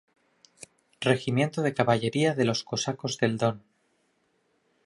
Regimiento de Caballería de los Cosacos del Don.